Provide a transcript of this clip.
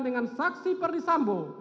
dengan saksi perdisambo